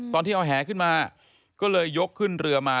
ตอนที่เอาแหขึ้นมาก็เลยยกขึ้นเรือมา